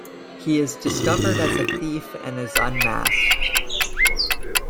He is discovered as a thief and is unmasked.